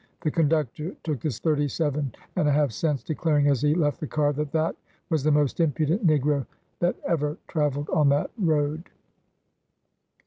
The conductor took the thirty seven and a half cents, declaring, as he left the car, that that was the most impudent negro that ever travelled on that road.